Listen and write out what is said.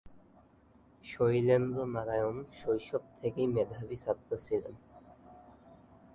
শৈলেন্দ্র নারায়ণ শৈশব থেকেই মেধাবী ছাত্র ছিলেন।